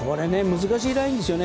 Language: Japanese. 難しいラインですよね。